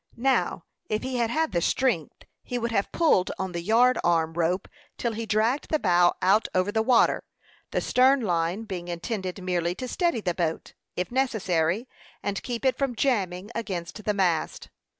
Now, if he had had the strength, he would have pulled on the yard arm rope till he dragged the bow out over the water; the stern line being intended merely to steady the boat, if necessary, and keep it from jamming against the mast.